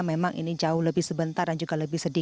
memang ini jauh lebih sebentar dan juga lebih sedih